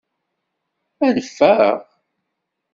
Ad neffeɣ?